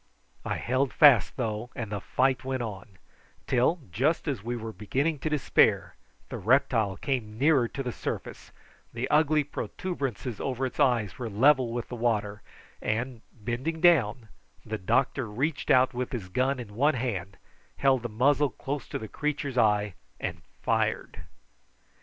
I held fast though, and the fight went on, till, just as we were beginning to despair, the reptile came nearer to the surface, the ugly protuberances over its eyes were level with the water, and, bending down, the doctor reached out with his gun in one hand, held the muzzle close to the creature's eye, and fired.